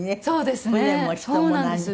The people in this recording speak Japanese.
そうですね。